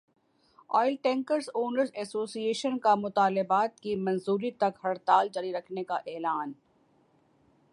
oil tanker owners association کا مطالبات کی منظوری تک ہڑتال جاری رکھنے کا اعلان